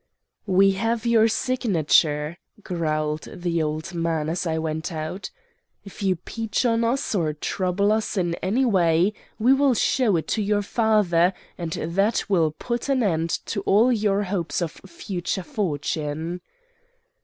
"'We have your signature,' growled the old man as I went out. 'If you peach on us or trouble us in any way we will show it to your father and that will put an end to all your hopes of future fortune.